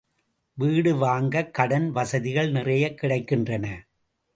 வீடு வாங்கக் கடன் வசதிகள் நிறையக் கிடைக்கின்றன.